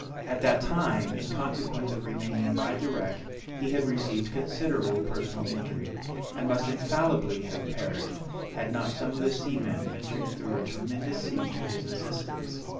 At that time, in consequence of remaining by the wreck, he had received considerable personal injury, and must infallibly have perished, had not some of the seamen ventured through a tremendous sea to his assistance.